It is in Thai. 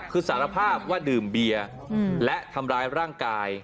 คือสารภาพว่าดื่มเบียร์และทำร้ายร่างกาย